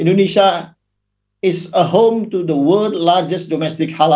indonesia adalah rumah kebanyakan pasar halal domestik di dunia